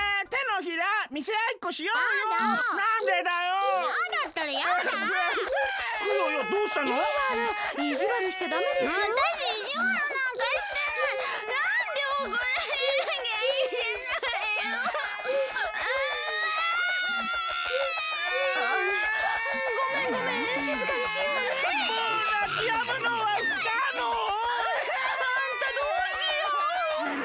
あんたどうしよう！